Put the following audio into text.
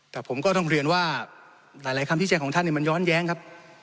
แต่ผมก็ต้องเรียนว่าหลายคำที่แจ้งของท่านมันย้อนแย้งครับ